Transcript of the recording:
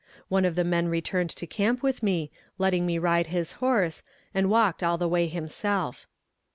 One of the men returned to camp with me, letting me ride his horse, and walked all the way himself.